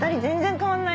変わんない？